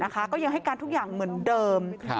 ก็ยังให้การทุกอย่างเหมือนเดิม